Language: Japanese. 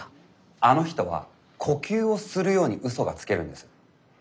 あの人は呼吸をするように嘘がつけるんです。